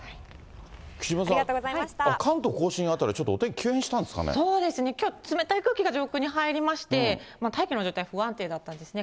木島さん、関東甲信辺り、ちょっとお天気、そうですね、きょう冷たい空気が上空に入りまして、大気の状態不安定だったんですね。